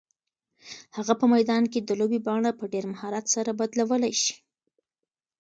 هغه په میدان کې د لوبې بڼه په ډېر مهارت سره بدلولی شي.